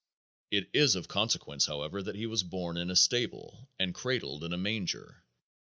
It is of consequence, however, that He was born in a stable and cradled in a manger.